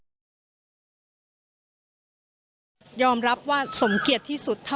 ลูกชายวัย๑๘ขวบบวชหน้าไฟให้กับพุ่งชนจนเสียชีวิตแล้วนะครับ